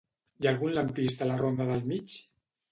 Hi ha algun lampista a la ronda del Mig?